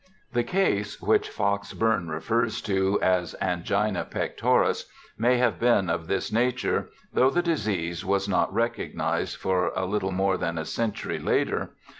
The case which Fox Bourne refers to as angina pec toris may have been of this nature, though the disease was not recognized for a little more than a century later.